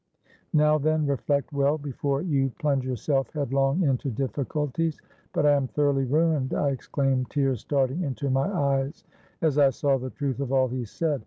Now, then, reflect well before you plunge yourself headlong into difficulties.'—'But I am thoroughly ruined!' I exclaimed, tears starting into my eyes, as I saw the truth of all he said.